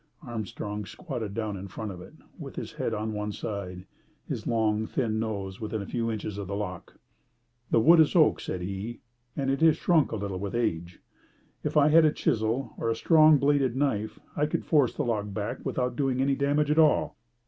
Armstrong squatted down in front of it, with his head on one side, and his long, thin nose within a few inches of the lock. "The wood is oak," said he, "and it has shrunk a little with age. If I had a chisel or a strong bladed knife I could force the lock back without doing any damage at all."